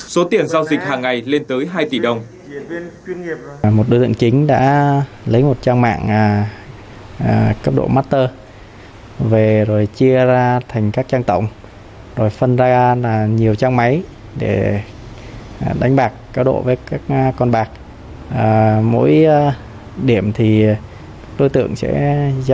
số tiền giao dịch hàng ngày lên tới hai tỷ đồng